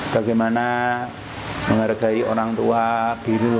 bagaimana menghargai orang tua diri wali diri bagaimana